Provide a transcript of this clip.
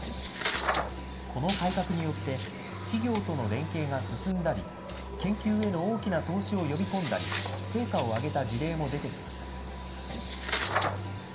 この改革によって、企業との連携が進んだり、研究への大きな投資を呼び込んだり、成果を上げた事例も出てきました。